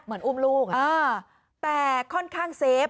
เหมือนอุ้มลูกอ่าแต่ค่อนข้างเซฟ